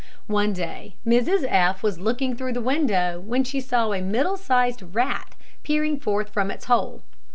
One day Mrs F was looking through the window, when she saw a middle sized rat peering forth from its hole.